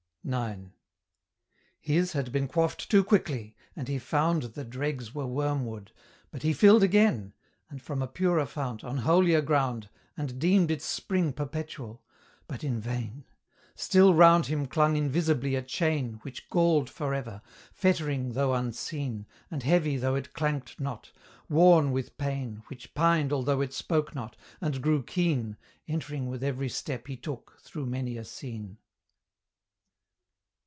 IX. His had been quaffed too quickly, and he found The dregs were wormwood; but he filled again, And from a purer fount, on holier ground, And deemed its spring perpetual; but in vain! Still round him clung invisibly a chain Which galled for ever, fettering though unseen, And heavy though it clanked not; worn with pain, Which pined although it spoke not, and grew keen, Entering with every step he took through many a scene.